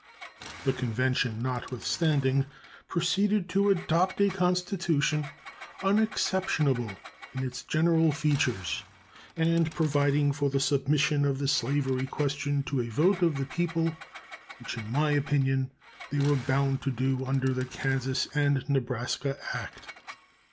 The convention, notwithstanding, proceeded to adopt a constitution unexceptionable in its general features, and providing for the submission of the slavery question to a vote of the people, which, in my opinion, they were bound to do under the Kansas and Nebraska act.